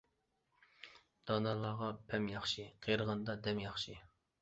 دانالارغا پەم ياخشى، قېرىغاندا دەم ياخشى.